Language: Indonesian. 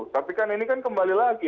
tapi kan ini kan kembali lagi